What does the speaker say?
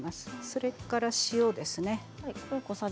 それから塩ですね。